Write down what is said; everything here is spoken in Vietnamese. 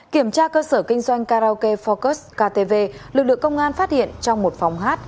kiểm tra cơ sở kinh doanh karaoke focus ktv lực lượng công an phát hiện trong một phòng hát